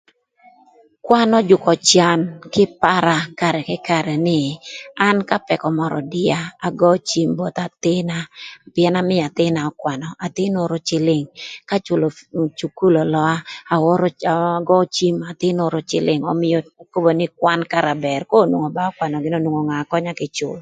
Kwan öjükö can kï para karë kï karë nï an ka pëkö mörö ödïa agöö cim both athïn-na pïën amïö athïn-na ökwanö, athïn oro cïlïng ka cülö cukul ölöa aoro jö onyo agöö cim athïn oro cïlïng ömïö ekobo nï kwan kara bër ka onwongo ba ökwanö onwongo nga könya kï cül.